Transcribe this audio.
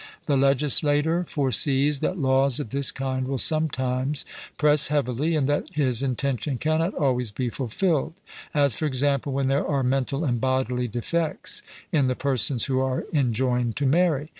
The legislator foresees that laws of this kind will sometimes press heavily, and that his intention cannot always be fulfilled; as for example, when there are mental and bodily defects in the persons who are enjoined to marry.